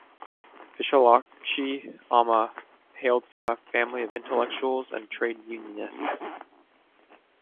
Visalakshi Amma hailed from a family of intellectuals and trade-unionists.